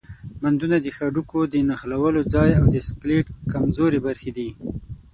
بندونه د هډوکو د نښلولو ځای او د سکلیټ کمزورې برخې دي.